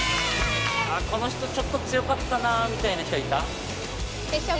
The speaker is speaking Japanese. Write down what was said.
この人ちょっと強かったなみたいな人はいた？